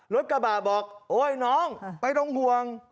รถกระบะบอกโอ๊ยน้องไม่ต้องห่วง